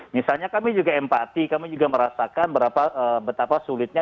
misalnya kami juga empati kami juga merasakan betapa sulitnya